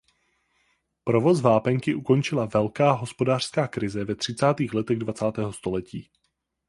Provoz vápenky ukončila velká hospodářská krize ve třicátých letech dvacátého století.